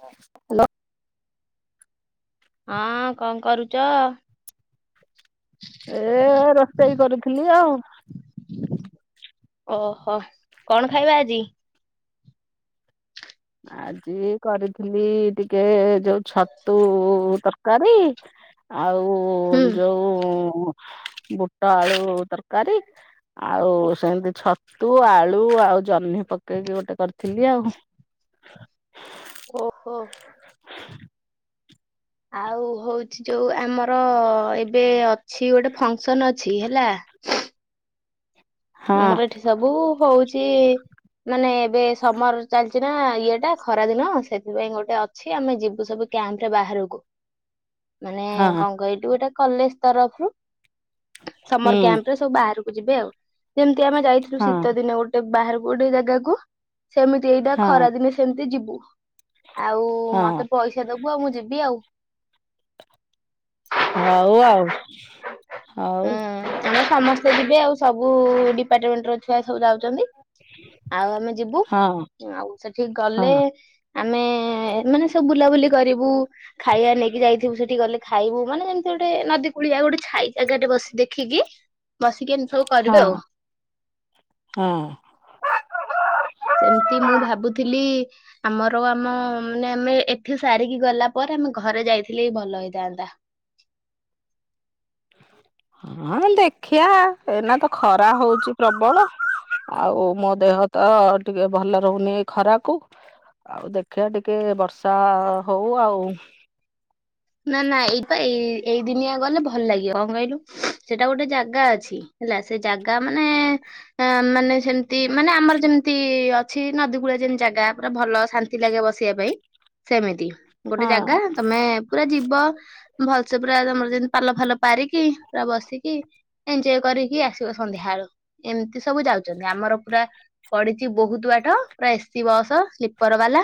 Hello. ଅଁ କଂ କରୁଚ? ଏ ରୋଷେଇ କରୁଥିଲି ଆଉ। ଓହୋ କଣ ଖାଇବା ଆଜି? ଆଜି କରିଥିଲି ଟିକେ ଯୋଉ ଛତୁ ତ କରି ଆଉ ହୁଁ। ଯୋଉ ବୁଟ ଆଳୁ ତରକାରୀ ଆଉ ସେମତି ଛତୁ ଆଳୁ ଆଉ ଜହ୍ନି ପକେଇକି ଗୋଟେ କରିଥିଲି ଆଉ। ଓହୋ। [inaudible] ଆଉ ହୋଉଛି ଯୋଉ ଆମ ମର ଏବେ ଅଛି ଗୋଟେ ଫଙ୍କସନ ଛି ହେଲା। ହଁ ମର ଏଠି ସବୁ ହୋଉଛ ଛି ମାନେ ଏବେ ସମର ଚାଲଛି ନା ଇଏ ଟା ଖରା ଦିନ ସେଥିପାଇଁ ଗୋଟେ ଅଛି, ଆମେ ଯିବୁ ସବୁ କ୍ୟାମ୍ପ ରେ ବାହାରୁକୁ। ମାନେ ହଁ କଂ କଇଲୁ ଏଟା କଲେଜ ତରଫରୁ। ହୁଁ ସମର କ୍ୟାମ୍ପ ରେ ସବୁ ବାହାରୁ ଯିବେ ଆଉ। ଯେମିତି ଆମେ ଯାଇଥିଲୁ ହଁ ଶୀତ ଦିନେ ଗୋଟେ ବାହାର ଗୁଡ଼ ଦାଗକୁୁ। ସେମିତି ଏଇଟା ଖରା ଦିନେ ସେମିତି ଯିବ। ହ। ଆଉ ହଁ ହଁ ମତେ ପଇସା ଦବୁ ଆଉ ମୁଁ ଯିବି ଆଉ। ହଉ ଆଉ। ହଉ। ଉଁ ଆମେ ସମସ୍ତେ ଯିବେ ଆଉ ସବୁ ଡିପାର୍ଟମେଣ୍ଟ ର ଛୁଆ ସବୁ ଯାଉଛନ୍ତି। ଆଉ ଆମେ ଯିବୁ ହଁ ଆଉ ସେଠିକ ହଁ ଗଲେ। ଆମେ ମାନେ ସବୁ ବୁଲାବୁଲି କରିବୁ। ଖାଇବା ନେଇକି ଯାଇଥିବୁ ସେଠି ଗଲେ। ଖାଇବୁ ମାନେ ଯେମିତି ଗୋଟେ ନଦୀ କୁଳିଆ ଗୋଟେ ଖାଇ। ଜାଗାଟେ ବସି ଦେଖିକି ବସିକି ଏମିତି ସବୁ କରିବେ ଆଉ ହଁ ହଁ। ସେମିତି ମୁଁ ଭାବୁଥିଲି ଆମର ଆମ ମାନେ ଆମେ ଏଠି ସାରିକି ଗଲା ପରେ ଆମେ ଘରେ ଯାଇଥିଲେ ଭଲ ହେଇଥାନ୍ତା। ହଁ ଦେଖିବା ଏଇନା ତ ଖରା ହଉଛି ପ୍ରବଳ ଆଉ ମୋ ଦେହ ତ ଟିକେ ଭଲ ରହୁନି ଏଇ ଖରାକୁ ଆଉ ଦେଖିବା ଟିକେ ବର୍ଷା ହଉ ଆଉ ନା ନା ଏଇପା ଏଇ ଏଇ ଦିନିଆ ଗଲେ ଭଲ ଲାଗିବ କଣ କହିଲୁ ସେଟା ଗୋଟେ ଜାଗା ଅଛି ହେଲା ସେ ଜାଗା ମାନେ ମାନେ ସେମିତି ମାନେ ଆମର ଯେମିତି ଅଛି ନଦୀ କୂଳି ଯେମିତି ଜାଗା ପୁରା ଭଲ ଶାନ୍ତି ଲାଗେ ବସିବା ପାଇଁ ସେମିତି ଗୋଟେ ଜାଗା ହଁ ତମେ। ପୁରା ଯିବ। ଭଲସେ ପୁରା ତମର ଯେମିତି ପାଲ ଫାଲ ପାରିକି ପୁରା ବସିକି ଏଞଜୟ କରିକି ଆସିବ ସନ୍ଧ୍ୟା ବଳୁ ଏମିତି ସବୁ ଯାଉଛନ୍ତି ଆମର ପୁରା ପଡିଛି ବହୁତ ବାଟ ପୁରା ଏସି ବସ ସ୍ଲିପର ବାଲା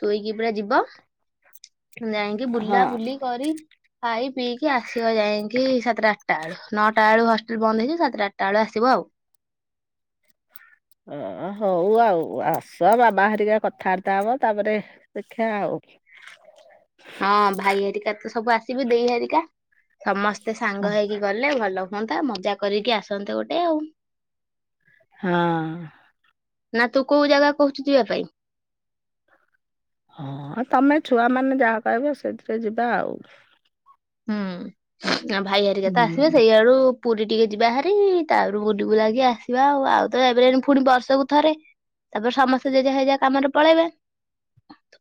ଶୋଇକି ପୁରା ଯିବ। ମୁ ଯାାଇକି ବୁଲ। ହଁ। ବୁଲାବୁଲି କରି। ଭାଇ ପିଇକ ଆ। ସିଅ ଯାଇକି ସାତଟା। ଟା ବ ନଅଟା ବେଳୁ ହଷ୍ଟେଲ ବନ୍ଦ ହେଇଯିବ ସାତଟା ଆଠଟା ବେଳୁ ଆସିବ ଆଉ ଓ ହଉ ଆଉ ଆସ ବାବା ହେରିକା କଥାବାର୍ତ୍ତା ହବ ତାପରେ ଦେଖିବା ଆଉ ହଁ ଭାଇ ହରିକା ତ ସବୁ ଆସିବି ଦେଇ ହରିକା ସମସ୍ତେ ମତେ ସାଙ୍ଗ ହେଇକି ଗଲେ ଭଲ ହୁହନ୍ତା ମଜା କରିକି ଆସନ୍ତେ ଗୋଟେ ଆଉ ହଁ। ନା ତୁ କୋଉ ଜାଗା କହୁଛୁ ଯିବା ପାଇଁ ହଁ ତମେ ଛୁଆ ମାନେ ଯାହା କହିବ ସେଥିରେ ଯିବା ଆଉ। ହୁଁ ଭାଇ ଆରିକା ତ ଆସିବେ ହୁଁ। ସେଇଆଡୁ। ପୁରୀ ଟିକେ ଯିବା ହାରି ତାପରେ ପୁରୀକୁ ଲାଗି ଆସିବା ଆଉ ଆଉ ତ ଏବେ ପୁଣି ବର୍ଷକୁ ଥରେ ତାପରେ ସମସ୍ତେ ଜେଜା ହେ ଯା କାମରେ ପଳେଇବେ।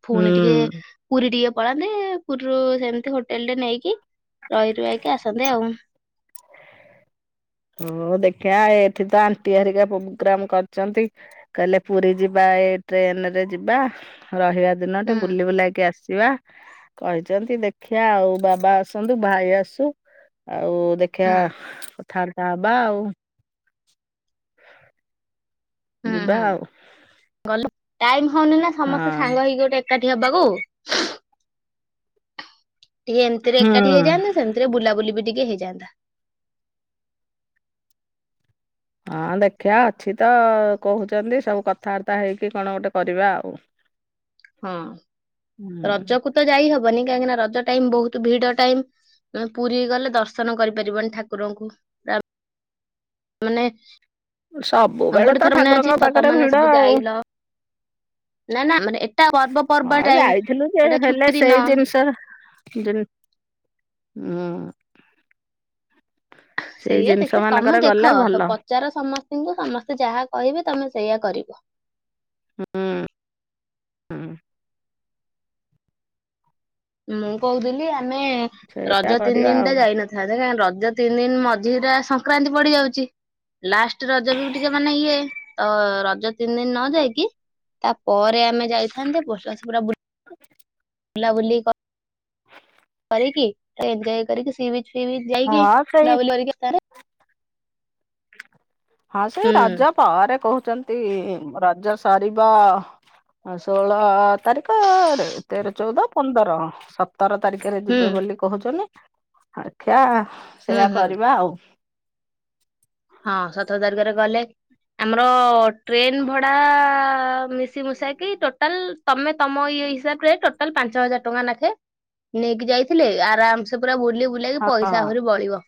ପୁଣି ଟିକେ ହୁଁ। ପୁରୀ ଟିକେ ପଳାନ୍ତି ପୁରୀରୁ ସେମିତି ହୋଟେଲ ଟେ ନେଇକି। କି। ରହି ରୁହା କି ଆସନ୍ତେ ଆଉ। ହଁ ଦେଖିବା ଏଠି ତ ଆଣ୍ଟି ହେରିକା ପ୍ରୋଗ୍ରାମ କରିଛନ୍ତି କହିଲେ ପୁରୀ ଯିବା ଏ ଟ୍ରେନ ରେ ଯିବା। ରହିବା ଦିନ ଟେ ହୁଁ ବୁଲି ବୁଲାକି ଆସି। ଯିବା କହିଛନ୍ତି ଦେଖିଆ ଆଉ ବାବା ଆସନ୍ତୁ ଭାଇ ଆସୁ ଆ। ଆଉ ଦେଖିଆ। ହୁଁ [unintelligible] [unintelligible] ହୁଁ ଯିବା ହୁଁ ଆଉ ଗଲ। ଟାଇମ୍। ହଉନି ନା ସମସ୍ତେ ସାଙ୍ଗ ହେଇକି ଗୋଟେ ଏକାଠି ହବାକୁ। [unintelligible] ଟିକେ ଏମତିରେ ହଁ ଏକାଠି ହୁଁ ହେଇଯାନ୍ତତା ସେମିତିରେ ବୁଲାବୁଲି ବିି ଟିକେ ହେଇଯ। [unintelligible] ହଁ ଦେଖିବା ଅଛି ତ କହୁଛନ୍ତି ସବୁ କଥାବାର୍ତ୍ତା ହେଇକି କଣ ଗୋଟେ କରିବା ଆଉ। ହଁ ହୁଁ ରଜକୁ ତ ଯାଇ ହବ। ହବନି କାହିଁକି ନା ରଜ ଟାଇମ ବହୁତ ଭିଡ ଟାଇମ ପୁରୀ ଗଲେ ଦର୍ଶନ କରିପାରିବନି ଠାକୁରଙ୍କୁ ମାନେ। ହଁ ସବୁବେଳେ ଗୋଟେ ତ ଥରେ ଠାକୁରଙ୍କ ପାଖରେ ଭିଡ ଆଉ [inaudible] ହଁ ଯାଇଥିଲୁ ଯେ ଛୁଟି ହେଲେ ସେଇ ଦିନ ଜିନିଷ ଜିନ୍। ହୁଁ। ସେଇ ସେଇଆ ଜିନିଷ ଦେଖେ ତମେ ମାନଙ୍କରେ ଗଲେ ଦେଖ ଭଲ ପଚାର ସମସ୍ତିଙ୍କୁ ସମସ୍ତେ ଯାହା କହିବେ। ତମେ ସେଇୟା କରିବ। ହୁଁ ହୁଁ। ମୁଁ କହୁଥିଲି ଆମେ ସେଇଆ ରଜ ତିନି କରିବା ଦିନ ଆଉ ଟା ଯାଇନଥାନ୍ତେ [inaudible] ରଜ ତିନି ଦିନ ମଝିରେ ସଂକ୍ରାନ୍ତି ପଡି ଯାଉଛି ଲାଷ୍ଟ ରଜ ବି ଟିକେ ମାନେ ଇଏ ତ ରଜ ତିନି ଦିନ ନ ଯାଇକି ତା ପରେ ଆମେ ଯାଇଥାନ୍ତେ ବୋଲର ବୁଲାବୁଲି କ କିି ଏଞ୍ଜୟ୍ କରିକି ସି ବି ସି ବିଚ୍ ଯାଇକି ହଁ ସେଇ ବୁଲାବୁଲି ହଁ ସେ ହୁଁ ରଜ ପରେ କହୁ ରଜ ସରିବ ଷୋହଳ ତାରିଖ ରେ ତେର ଚଉଦ ପନ୍ଦର ସ ତର ତାରିଖରେ ହୁଁ ଯିବେ ବୋଲି କହୁଛନ୍ତି। [unintelligible] ହୁଁ ସେଇୟା ହୁଁ। କରିବା ଆଉ। ହଁ ସତର ତାରିଖରେ ଗଲେ ଆମର ଟ୍ରେନ ଭଡା ମିଶିମୁଶାକି ଟୋଟାଲ ତମେ ତମ ଇଏ ହିସାବରେ ଟୋଟାଲ ପାଞ୍ଚ ହଜାର ଟଙ୍କା ନାଖେ ନେଇକି ଯାଇଥିଲେ ଆରାମସ ପୁରା ବୁଲି ବୁଲାକି ପଇସା ହଁ। ଆହୁରି ବଳିବ।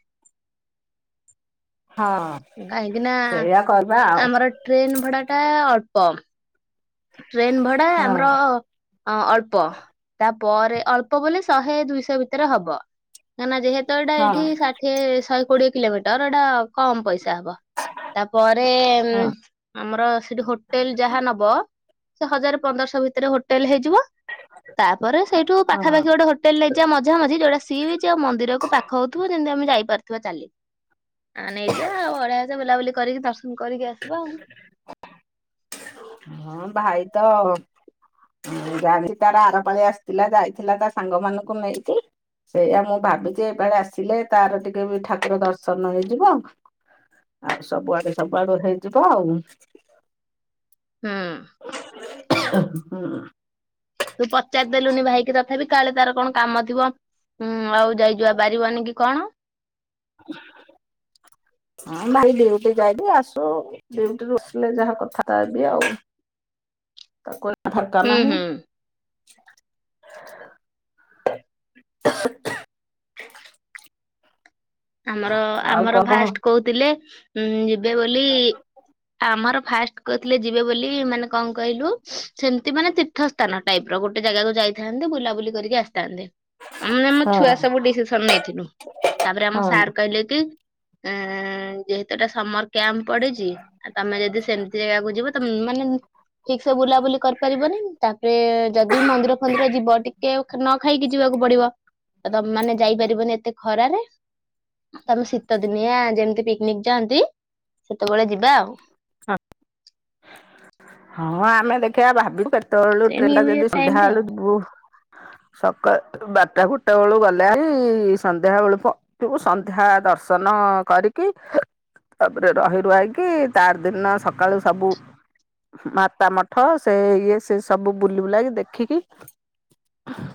ହଁ। କାହିଁକି ନା ସେଇଆ କରିବା ଆଉ। ଆମର ଟ୍ରେନ ଭଡା ଟା ଅଟ କମ୍। ଟ୍ରେନ ଭଡା ହଁ ଆମର ଅ ଅଳ୍ପ ତାପରେ ଅଳ୍ପ ବୋ ଶହେ ଦୁଇଶହ ଭିତରେ ହବ କାହିଁକିନା ଯେହେତ ଗୀତଟା ହଁ ଏଠି ଷାଠିଏ କୋଡିଏ କିଲୋମିଟର ଏଇଟା କମ ପଇସା। ହବ ତାପରେ ହଁ। ଆମର ସେଠି ହୋଟେଲ ଯାହା ନବ। ସେ ହଜାର ପନ୍ଦରଶହ ଭିତରେ ହୋଟେଲ ହେଇ ତାପରେ ସେଇଠୁ ହଁ ପାଖାପାଖି ଗୋଟେ ହୋଟେଲ ନେଇଯିବା ମଝା ମଝି ଯୋଉଟା ସିଏ ବି ଯଉ ମନ୍ଦିରକୁ ପାଖ ହଉଥିବ ଯେମିତି ଆମେ ଯାଇପାରୁଥିବା ଚାଲି ଆ ନେଇଜ ଆଉ ଅଡେଇଆସ ବୁଲାବୁଲି କରିକି କରିକି ଆସିବା ଆଉ। ହଁ ଭାଇ ତ ଜାଣି ତାର ଆରପାଳି ଆସିଥିଲା ଯାଇଥିଲା ତା ସାଙ୍ଗ ମାନଙ୍କୁ ନେଇକି ସେଇଆ ମୁଁ ଭାବିଛି ଏପଡ ଆସିଲେ ତାର ଟିକେ ବି ଠାକୁର ଦର୍ଶନ ହେଇଯିବ ଆଉ ସବୁଆଡେ ସବୁଆଡୁ ହେଇଯିବ ଆଉ। ହୁଁ। ହୁଁ। ତୁ ପଚାରି ଦେଲୁନି ଭାଇକି ତଥାପି। କାଳେ ତାର କଣ କାମ ଥିବ। ହୁଁ ଆଉ ଯାଇଯିବା ବାରିବନ କି କଣ? [inaudible] ହ ଭାଇ ଡିଉଟି ଯାଇବି ଆସୁ ଡଉଟିରୁ ଆସିଲେ ଯାହା କଥାଟ ହେବି ଆଉ ତା କିଲ ଫଟ ହୁଁ ନାହିଁ। ହୁଁ [inaudible] ଆମର ଆଉ ଆମର କଣ କହ ଫାଷ୍ଟ କହୁଥିଲେ ହୁଁ। ଏବେ ବୋଲି ଆମର ଫାଷ୍ଟ କରିଥିଲେ ଯିବେ ବୋଲି ମାନେ କଣ କହିଲୁ ସେମିତି ମାନେ ତୀର୍ଥସ୍ଥାନ ଟାଇପ ର ଗୋଟେ ଜାଗାକୁ ଯାଇଥାନ୍ତେ ବୁଲାବୁଲି କରିକି ଆସିଥାନ୍ତେ। ଆମ ଆମ ହଁ ଛୁଆ ସବୁ ଡିସିସନ ନେଇଥିଲୁ ତାପରେ ଆମ ହଁ ସାର କିଲ କି ଉଁ ଯେହେତୁଟା ସମର୍ କ୍ୟାମ୍ ପଡିଛି ଆଉ ତମେ ଯଦି ସେମିତି ଜାଗାକୁ ଯିବ ତମେ ମାନେ ଠିକ ସେ ବୁଲାବୁଲି କରିପାରିବନି ତାପରେ ଯଦି ମନ୍ଦିର ଫନ୍ଦିର ଯିବ ଟିକେ ଖାଇକି ଯିବାକୁ ପଡ଼ିବ। ତ ତମେମାନେ ଯାଇପାରିବନି ଏତେ। ଖରାରେ। ତମେ ଶୀତ ଦିନିଆ ଯେମିତି ପିକନିକ ଯାଆନ୍ତି ସେତେବେଳେ ଯିବା ଆଉ। ହଁ ଆମେ ଦେଖିବା ଭାବିବୁ କେ ତଳୁ ସେ ଟ୍ରେଣ୍ଡା ନିଉ ଇୟର ଯଦି ଟାଇମ ସନ୍ଧ୍ୟା ରେ ବେଳେ ଆଉ ଯିବୁ ସକାଳୁ ବାରଟା ଗୋଟେ ବେଳୁ ଗଲେ ହାରି ସନ୍ଧ୍ୟା ବେଳୁ ପହଞ୍ଚିବୁ ସନ୍ଧ୍ୟା ଦର୍ଶନ କରିକି ତାପରେ ରହି ରୁହାକି ତା ଆର ଦିନ ସକାଳୁ ସବୁ ମାତା ମଠ ସେ ଇଏ ସେ ସବୁ ବୁଲି ବୁଲାକି ଦେଖିକି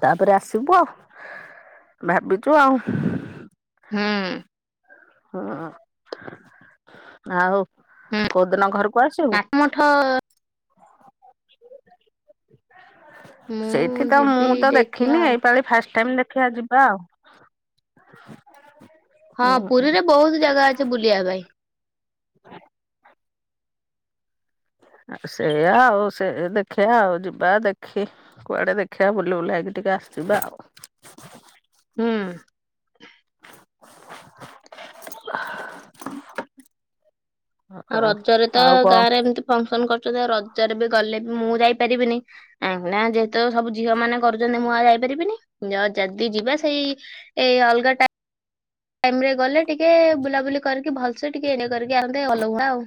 ତାପରେ ଆସିବୁ ଆଉ ଭାବିଛୁ ଆଉ ହୁଁ। ହଁ ଆଉ ହୁଁ କୋଉଦିନ ଘରକୁ ଆସିବୁ? ନାଥ ମଠ ମୁଁ ସେଇଠି ତ ମୁଁ ଯିବି ତ ଦେଖିବା ଦେଖିନି ଆଉ ଏଇପାଳି ଫାଷ୍ଟ ଟାଇମ୍ ଦେଖ ଦେଖିଆ ଯିବା ଆଉ। ହଁ ହୁଁ ପୁରୀରେ ବହୁତ ଜାଗା ଅଛି ବୁଲିବା ପାଇଁ। ସେଇଆ ଆଉ ସେ ଦେଖିବା ଆଉ ଯିବା ଦେଖି କୁଆଡେ ଦେଖିବା ବୁଲି ବୁଲାକି ଟିକେ ଆସିିବା ଆଉ। ହୁଁ। [unintelligible] ଆଉ ହଉ। ରଜରେ ତ ଆଉ କଣ ଗାଁ ରେ ଏମିତି ଫଙ୍କସନ କରି ରଜରେ ବି ଗଲେ ବି ମୁଁ ଯାଇପାରିବିନି କାହିଁକି ନା ଯେହେତୁ ସବୁ ଝିଅ ମାନେ କରୁଛନ୍ତି ମୁଁ ଆଉ ଯାଇପାରିବିନି ଯଦି ଯିବା ସେଇ ଏଇ ଅଲଗା ଟା ଟାଇମରେ ଗଲେ ଟିକେ ବୁଲାବୁଲି କରିକି ଭଲ ସେ ଟିକେ ଏଇନେ କରିକି ଆଉଛି। ଦେ ଅଲଗା ଆଉ।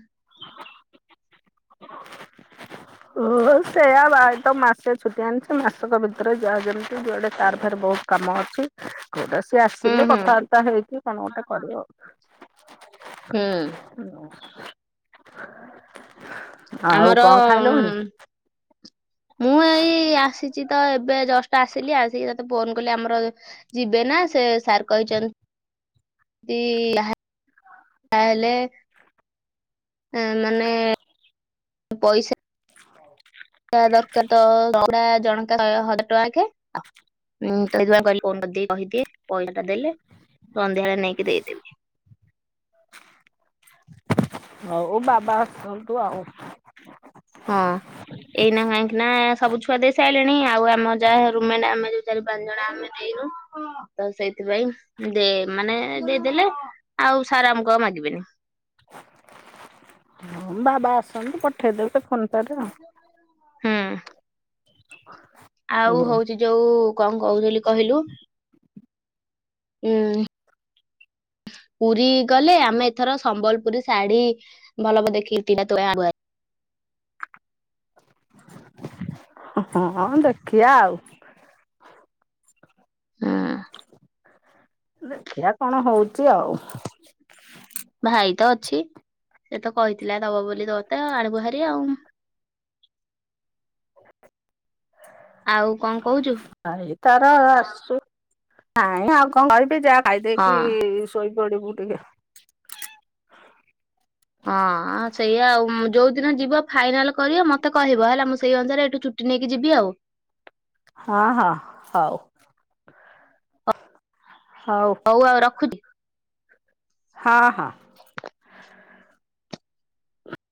ହଁ ସେଇଆ ଭାଇ ତ ମାସେ ଛୁଟି ଆଣିଛି ମାସକ ଭିତରେ ଯାହା ଯେମିତି ଯୁଆଡେ ତାର ଫେର୍ ବହୁତ କାମ ଅଛି। କୋଉଟା ସିଏ ହୁଁ ଆସିଲେ ହୁଁ କଥାବାର୍ତ୍ତା ହେଇକି କଣ ଗୋଟେ କରିବ। ହୁଁ ହୁଁ ଆଉ ଆମର କଣ? ଖାଇଲଣି? ଉଁ, ମୁଁ ଏଇ ଆସିଛି ତ ଏବେ ଜଷ୍ଟ ଆସିଲି ଆସିକି ତତେ ଫୋନ କଲି ଆମର ଯିବେ ନା ସେ ସାର୍ କହିଛନ୍ତି ଯାହା ହେଲେ ମାନେ ପଇସା ଦରକାର ତ ପୁରା ଜଣକା ଶହେ ହଜାର ଟଙ୍କା ଲାଖେ ତ ସେଇଥି ପାଇଁ କହିଲି ଫୋନ୍ କରିକି କହିଦିଏ ପଇସା ଟା ଦେଲେ ସନ୍ଧ୍ୟା ହେଲେ ନେଇକି ଦେଇଦେବି। ହଉ ବାବା ଆସନ୍ତୁ ଆଉ। ହଁ ଏଇନା କାହିଁକି ନା ସବୁ ଛୁଆ ଦେଇସା ରିଲେଣି ଆଉ ଆମ ଯାହା ରୁମିନା ଆମେ ଯୋଉ ଚାରି ପାଞ୍ଚ ଜଣ ଆମେ ଦେଇନୁ ତ ସେଇଥିପାଇଁ ମାନେ ଦେଇଦେଲେ ଆଉ ସାର ଆମକୁ ଆଉ ମାଗିବେନି। ବାବା ଆସନ୍ତୁ ପଠେଇଦେବବେ ତ ଫୋନ [inaudible] ହୁଁ ଆଉ ହଉଛି ଯୋଉ କଣ କହୁ ଥିଲି କହିଲୁ। ହୁଁ ପୁରୀ ଗଲେ ଆମେ ଏଥର ସମ୍ବଲପୁରୀ ଶାଢୀ ଭଲ ଭ ଦେଖିକ ତୋ ପାଇଁ ଆଗୁଆ। ହଁ ଦେଖଆ ଆଉ ଦେଖିବା କଣ ହଉଛି ଆଉ। ଭାଇ ତ ଅଛି ସେ ତ କହିଥିଲା ଦବ ବୋଲି ତ ଆଣିବୁହାରି ଆଉ ଆଉ କଣ କହୁଛୁ? ଭାଇ ତାର ଆସୁ ନାଇଁ ଆଉ କଣ କରିବି ଯା ଖାଇଦେଇକି ହଁ ଶୋଇ ସୋଇ ପଡିବୁ ଟିକେ ହଁ ସେଇଆା ଆଉ ଯୋଉ ଦିନ ଯିବ ଫାଇନାଲ କରିବ ମତେ କହିବ ହେଲା ମୁଁ ସେଇ ଅନୁସାରେ ଏଠୁ ଚୁଟି ନେଇକି ଯିବି ଆଉ। ହଁ ହଁ ହଉ। ହଉ ଆଉ ରଖୁଛି। ହଁ ହଁ